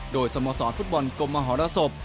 โดยสโมสรฟุตบอลกรมมหรสบ